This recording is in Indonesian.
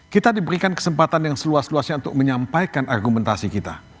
kita diberikan kesempatan yang seluas luasnya untuk menyampaikan argumentasi kita